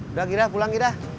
udah gira pulang gira